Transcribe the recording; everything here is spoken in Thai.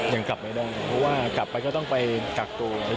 ยังกลับไม่ได้เพราะว่ากลับไปก็ต้องไปกักตัว